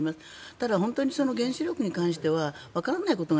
ただ本当に原子力に関してはわからないことが